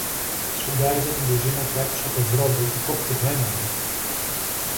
Σφουγγάριζα την κουζίνα και άκουσα το βρόντο και κόπηκε το αίμα μου!